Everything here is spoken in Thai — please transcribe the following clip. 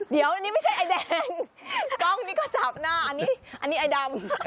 เดี๋ยวอันนี้ไม่ใช่ไอ้แดงกล้องนี้ก็จับหน้าอันนี้อันนี้ไอ้ดำ